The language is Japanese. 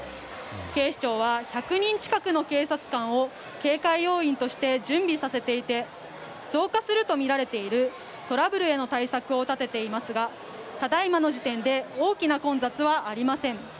警視庁は１００人近くの警察官を警戒要員として準備させていて増加するとみられているトラブルへの対策を立てていますがただ今の時点で大きな混雑はありません。